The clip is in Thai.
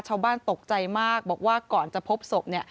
ชาวบ้านตกใจมากบอกว่าก่อนจะพบศพ